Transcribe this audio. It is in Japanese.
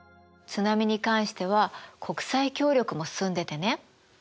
津波に関しては国際協力も進んでてね